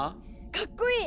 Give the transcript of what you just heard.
かっこいい！